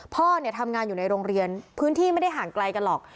พ่อเนี่ยทำงานอยู่ในโรงเรียนพื้นที่ไม่ได้ห่างไกลกันหรอก